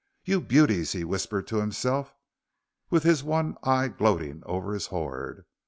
"You beauties," he whispered to himself, with his one eye gloating over his hoard.